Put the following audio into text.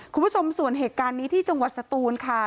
คุณผู้ชมส่วนเหตุการณ์นี้ที่จังหวัดสตูนค่ะ